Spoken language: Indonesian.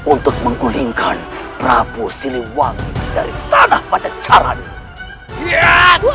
untuk menggulingkan prabu siliwangi dari tanah pada caranya